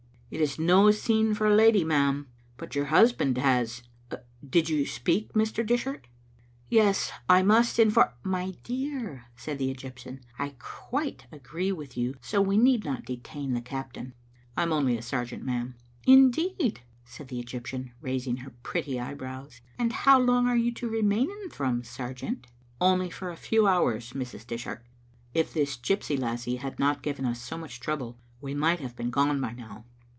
" It is no scene for a lady, ma'am, but your husband has . Did you speak, Mr. Dishart?" "Yes, Imustinf " "My dear," said the Egjrptian, "I quite agree with you, so we need not detain the captain." "I'm only a sergeant, ma'am." "Indeed!" said the Egyptian, raising her pretty eye brows, "and how long are you to remain in Thrums, sergeant?" " Only for a few hours, Mrs. Dishart. If this gypsy lassie had not given us so much trouble, we might have been gone by now."